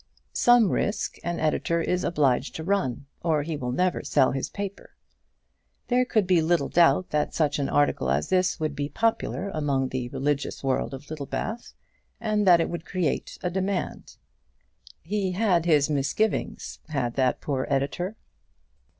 Some risk an editor is obliged to run, or he will never sell his paper. There could be little doubt that such an article as this would be popular among the religious world of Littlebath, and that it would create a demand. He had his misgivings had that poor editor.